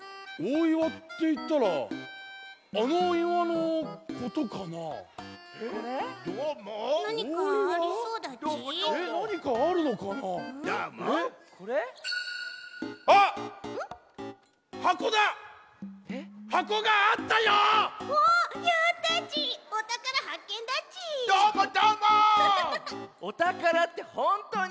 おたからってほんとに？